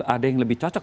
ada yang lebih cocok